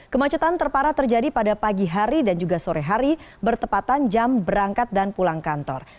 kemacetan terparah terjadi pada pagi hari dan juga sore hari bertepatan jam berangkat dan pulang kantor